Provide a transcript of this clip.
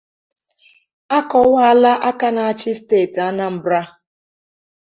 a kọwaala aka na-achị steeti Anambra